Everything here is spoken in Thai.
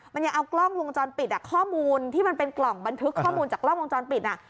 มันยังเอากล้องวงจรปิดอ่ะข้อมูลที่มันเป็นกล่องบันทึกข้อมูลจากกล้องวงจรปิด